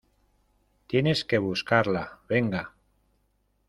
¡ tienes que buscarla! venga.